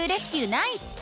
ナイス！